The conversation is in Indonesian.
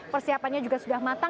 persiapannya juga sudah matang